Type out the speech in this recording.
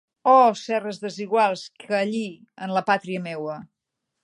Oh serres desiguals, que allí, en la pàtria meua